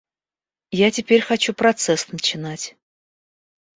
Я теперь хочу процесс начинать.